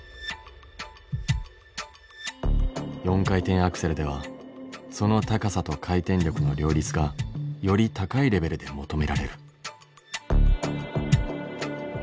４回転アクセルではその高さと回転力の両立がより高いレベルで求められる。